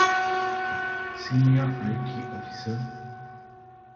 ސީނިއަރ އައި.ޓީ އޮފިސަރ